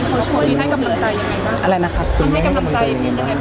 เค้าช่วยด้วยให้กับหลังใจยังไงบ้าง